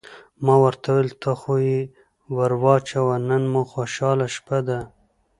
ما ورته وویل: ته خو یې ور واچوه، نن مو خوشحاله شپه ده.